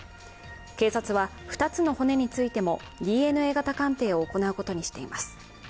警察は２つの骨についてもＤＮＡ型鑑定を行うことにしています。